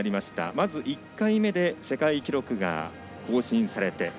まず１回目で世界記録が更新されて。